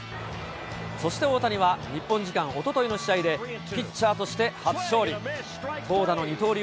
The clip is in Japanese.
そして大谷は、日本時間おとといの試合で、ピッチャーとして初勝利。